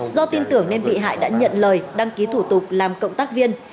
do tin tưởng nên bị hại đã nhận lời đăng ký thủ tục làm cộng tác viên